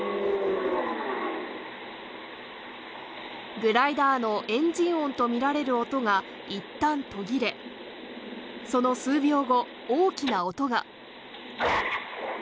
グライダーのエンジン音と見られる音がいったん途切れ、その数秒後、大きな音が。